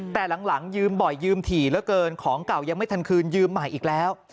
แต่หลังยืมบ่อยยืมถี่เหลือเกินของเก่ายังไม่ทันคืนยืมใหม่อีกแล้ว